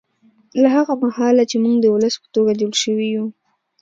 له هغه مهاله چې موږ د ولس په توګه جوړ شوي یو